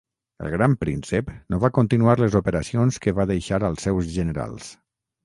El gran príncep no va continuar les operacions que va deixar als seus generals.